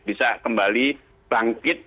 bisa kembali bangkit